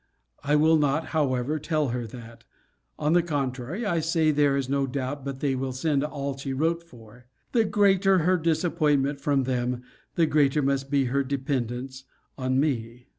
I will not, however, tell her that: on the contrary, I say, there is no doubt but they will send all she wrote for. The greater her disappointment from them, the greater must be her dependence on me.